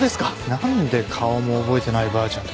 なんで顔も覚えてないばあちゃんと。